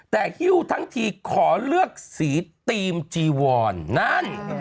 แต่หิ้วทั้งทีขอเลือกสีธีมจีวอนนั่น